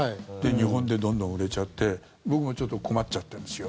日本でどんどん売れちゃって僕もちょっと困っちゃってんですよ。